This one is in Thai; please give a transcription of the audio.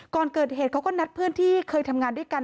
ก่อนเกิดเหตุเขาก็นัดเพื่อนที่เคยทำงานด้วยกัน